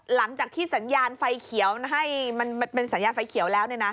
หลังจากที่สัญญาณไฟเขียวให้มันเป็นสัญญาณไฟเขียวแล้ว